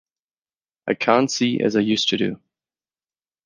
I can’t see as I used to do.